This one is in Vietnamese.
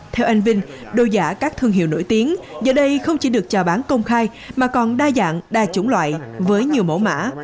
theo anh vinh đồ giả các thương hiệu nổi tiếng giờ đây không chỉ được chào bán công khai mà còn đa dạng đa chủng loại với nhiều mẫu mã